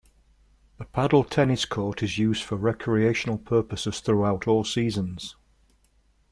A paddle tennis court is used for recreational purposes throughout all seasons.